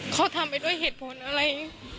เขาทำไปด้วยเหตุผลอะไร